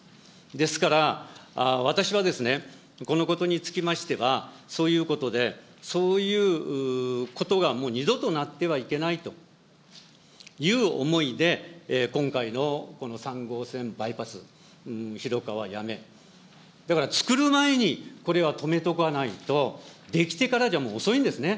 ですから、私はですね、このことにつきましては、そういうことで、そういうことがもう二度となってはいけないという思いで今回のこの３号線バイパス、広川八女、だから造る前にこれは止めとかないと、出来てからじゃもう、遅いんですね。